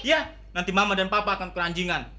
iya nanti mama dan papa akan keranjingan